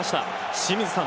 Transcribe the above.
清水さん